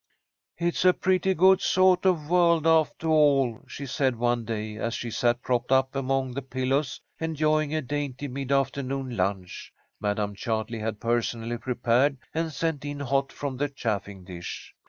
"It's a pretty good sawt of a world, aftah all," she said one day, as she sat propped up among the pillows, enjoying a dainty mid afternoon lunch Madam Chartley had personally prepared and sent in hot from the chafing dish.